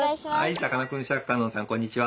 さかなクンシャーク香音さんこんにちは！